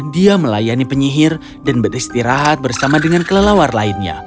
dia melayani penyihir dan beristirahat bersama dengan kelelawar lainnya